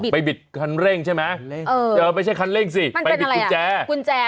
บิดคันเร่งใช่ไหมเจอไม่ใช่คันเร่งสิไปบิดกุญแจกุญแจ